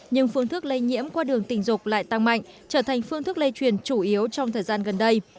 nhưng phương thức lây nhiễm qua đường tình dục lại tăng mạnh trở thành phương thức lây truyền chủ yếu trong thời gian gần đây